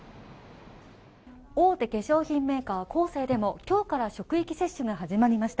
大手化粧品メーカーコーセーでも、今日から職域接種が始まりました。